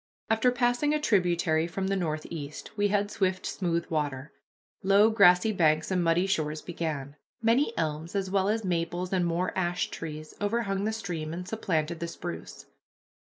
After passing a tributary from the northeast we had swift smooth water. Low grassy banks and muddy shores began. Many elms as well as maples and more ash trees overhung the stream and supplanted the spruce.